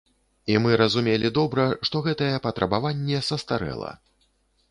І мы разумелі добра, што гэтае патрабаванне састарэла.